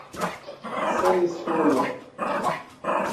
Sem escolha